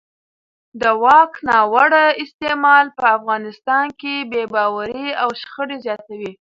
د واک ناوړه استعمال په افغانستان کې بې باورۍ او شخړې زیاتوي